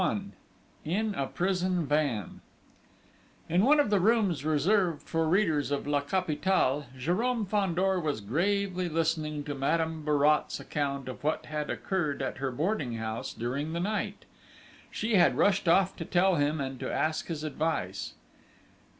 XXI IN A PRISON VAN In one of the rooms reserved for readers of La Capitale, Jérôme Fandor was gravely listening to Madame Bourrat's account of what had occurred at her boarding house during the night. She had rushed off to tell him and to ask his advice.